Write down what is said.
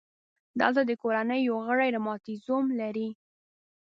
دلته د کورنۍ یو غړی رماتیزم لري.